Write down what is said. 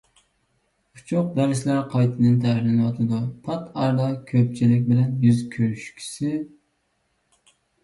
ئوچۇق دەرسلەر قايتىدىن تەھرىرلىنىۋاتىدۇ. پات ئارىدا كۆپچىلىك بىلەن يۈز كۆرۈشكۈسى!